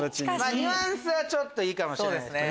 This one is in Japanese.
ニュアンスはいいかもしれないですね。